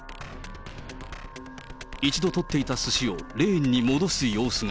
一度取っていたすしをレーンに戻す様子が。